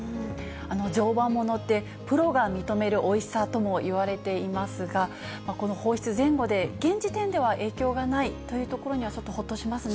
常磐ものって、プロが認めるおいしさともいわれていますが、この放出前後で、現時点では影響がないというところには、ちょっとほっとしますね。